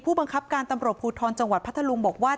บังคับการตำรวจภูทรจังหวัดพัทธลุงบอกว่า